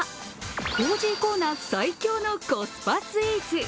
コージーコーナー最強のコスパスイーツ。